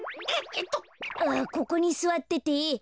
ここにすわってて。